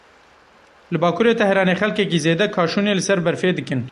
Li bakurê Tehranê xelkekî zêde kaşûnê li ser berfê dikin.